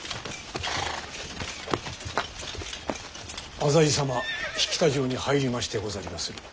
浅井様疋田城に入りましてござりまする。